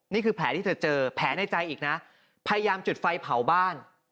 นี่คือแผลที่เธอเจอแผลในใจอีกนะพยายามจุดไฟเผาบ้าน